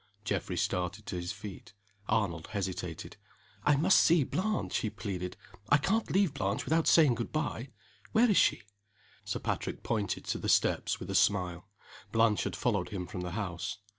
Geoffrey started to his feet. Arnold hesitated. "I must see Blanche!" he pleaded. "I can't leave Blanche without saying good by. Where is she?" Sir Patrick pointed to the steps, with a smile. Blanche had followed him from the house.